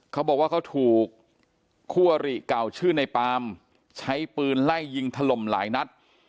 เขาบอกว่าเขาถูกคู่อริเก่าชื่อในปามใช้ปืนไล่ยิงถล่มหลายนัด